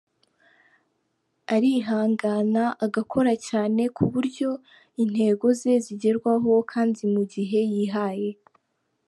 Arihangana agakora cyane ku buryo intego ze zigerwaho kandi mu gihe yihaye.